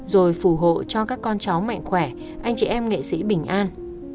rồi phù hộ cho các con cháu mạnh khỏe anh chị em nghệ sĩ bình an